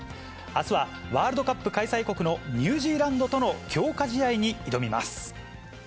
あすはワールドカップ開催国のニュージーランドとの強化試合に挑